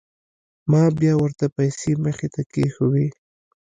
ما بيا ورته پيسې مخې ته كښېښووې.